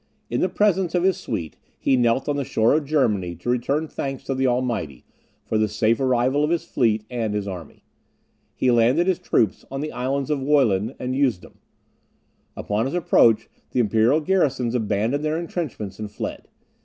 In the presence of his suite, he knelt on the shore of Germany to return thanks to the Almighty for the safe arrival of his fleet and his army. He landed his troops on the Islands of Wollin and Usedom; upon his approach, the imperial garrisons abandoned their entrenchments and fled.